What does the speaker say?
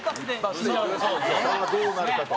さあどうなるかと。